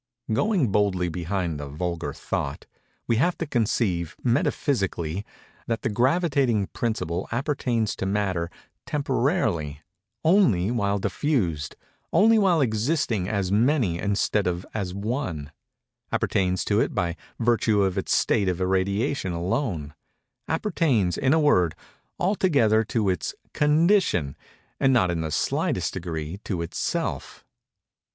Going boldly behind the vulgar thought, we have to conceive, metaphysically, that the gravitating principle appertains to Matter temporarily—only while diffused—only while existing as Many instead of as One—appertains to it by virtue of its state of irradiation alone—appertains, in a word, altogether to its condition, and not in the slightest degree to itself.